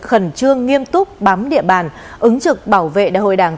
khẩn trương nghiêm túc bám địa bàn ứng trực bảo vệ đại hội đảng